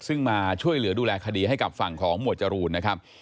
ซึ่งมาช่วยเหลือดูแลคดีให้กับฝั่งของหมวดจรูนนะครับ